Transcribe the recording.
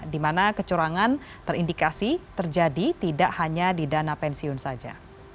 di mana kecurangan terindikasi terjadi tidak hanya di dana pensiun saja